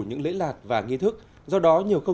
những lễ lạc và nghi thức do đó nhiều câu